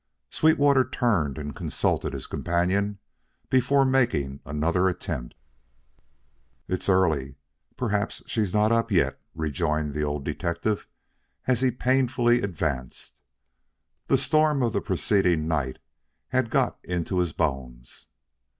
Sweetwater turned and consulted his companion before making another attempt. "It's early. Perhaps she's not up yet," rejoined the old detective as he painfully advanced. The storm of the preceding night had got into his bones.